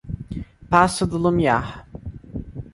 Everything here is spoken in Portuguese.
Paço do Lumiar